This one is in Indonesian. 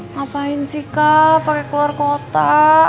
ngapain sih kak pakai keluar kota